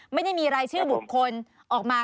ไม่ได้มีรายชื่อบุคคลออกมา